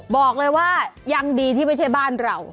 บอกเลยว่ายังดีที่ไม่ใช่บ้านเรา